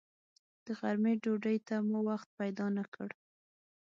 د غرمې ډوډۍ ته مو وخت پیدا نه کړ.